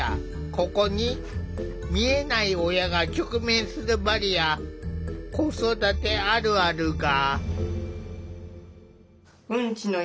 ここに見えない親が直面するバリア子育てあるあるが！